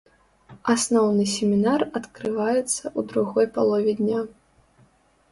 Асноўны семінар адкрываецца ў другой палове дня.